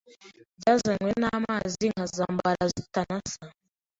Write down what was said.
byazanywe n’amazi nkazambara zitanasa.